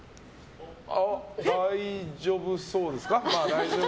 ああ、大丈夫そうですか？